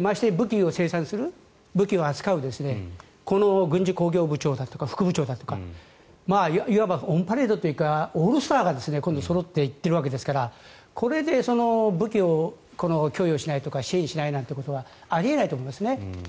まして武器を制作する武器を扱うこの軍事工業部長だとか副部長だとかがいわばオンパレードというかオールスターがそろって行ってるわけですからこれで武器を供与しないとか支援しないことはあり得ないと思います。